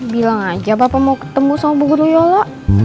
bilang aja bapak mau ketemu sama bu guruyolo